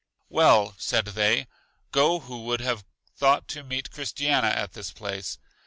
Well, said they, go who would have thought to meet Christiana at this place!